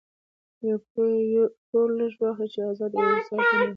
پور لږ واخلئ! چي آزاد او هوسا ژوند ولرئ.